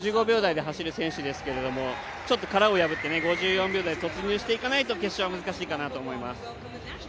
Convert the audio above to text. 安定して５５秒台で走る選手ですけれどもちょっと殻を破って５４秒台に突入していかないと決勝は難しいかなと思います。